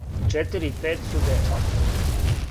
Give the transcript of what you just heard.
четири и пет су девет